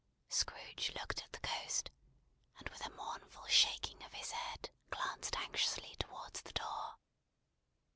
Scrooge looked at the Ghost, and with a mournful shaking of his head, glanced anxiously towards the door.